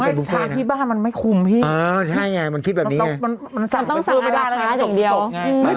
ไม่ทานที่บ้านมันไม่คุมพี่มันต้องสั่งอาราคาอย่างเดียวมันคิดแบบนี้ไง